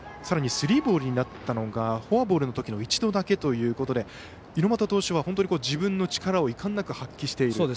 さらにスリーボールになったのがフォアボールのときの一度だけということで猪俣投手は自分の力をいかんなく発揮している。